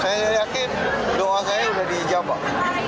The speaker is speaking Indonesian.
saya yakin doa saya sudah dijabah